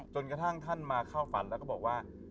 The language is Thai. จนกระทั่งท่านมาเข้าฝันแล้วก็บอกว่า